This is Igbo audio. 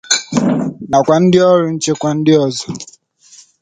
nakwa ndị ọrụ nchekwa ndị ọzọ